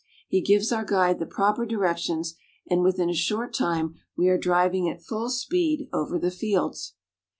He gives our guide the proper directions, and within a short time we are driving at full speed over the fields.